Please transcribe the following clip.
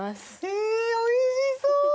えおいしそう！